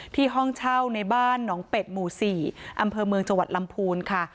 ห้องเช่าในบ้านหนองเป็ดหมู่๔อำเภอเมืองจังหวัดลำพูนค่ะ